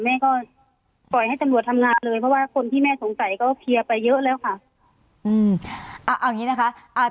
แม่ก็ปล่อยให้จำนวดทำงานเลยเพราะว่าคนที่แม่สงสัยก็เพียงไปเยอะแล้วค่ะ